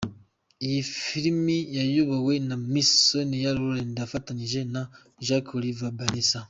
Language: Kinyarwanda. Iyi filime yayobowe na Miss Sonia Rolland afatanyije na Jacques-Olivier Benesse.